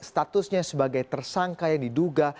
statusnya sebagai tersangka yang diduga